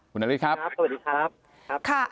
คุณนฤทธิ์ครับสวัสดีครับ